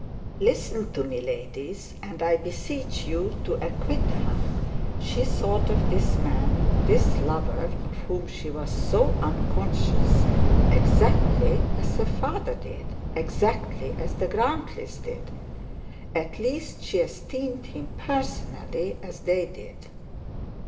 Listen to me, ladies, and I beseech you to acquit her. She thought of this man, this lover of whom she was so unconscious, exactly as her father did, exactly as the Grantlys did. At least she esteemed him personally as they did.